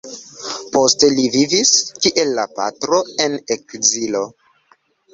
Poste li vivis, kiel la patro, en ekzilo.